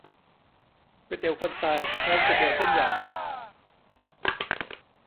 ก๋วยเตี๋ยวคนตาย จะใช้ก๋วยเตี๋ยวเส้นใหญ่